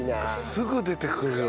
すぐ出てくるよ